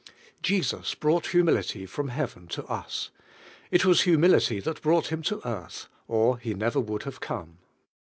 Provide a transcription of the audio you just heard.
Jesus brought humility from heaven to us. It was humility that brought Him to earth, or He never would have come.